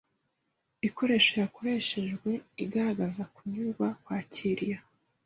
iikoresho yakoreshejwe igaragaza kunyurwa kwakiriya